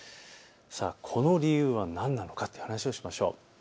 この理由は何なのかという話をしましょう。